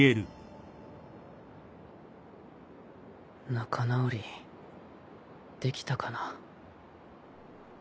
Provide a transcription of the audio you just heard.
仲直りできたかな。